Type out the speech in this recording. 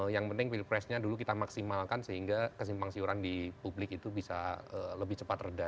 yang penting pilpresnya dulu kita maksimalkan sehingga kesimpang siuran di publik itu bisa lebih cepat reda